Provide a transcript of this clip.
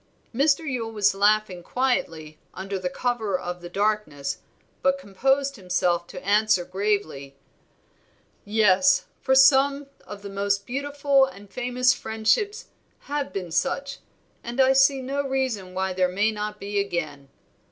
Mr. Yule was laughing quietly under cover of the darkness, but composed himself to answer gravely "Yes, for some of the most beautiful and famous friendships have been such, and I see no reason why there may not be again.